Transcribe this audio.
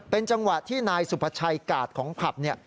เป็นจังหวะที่นายสุภาชัยกาดของผับเนี่ย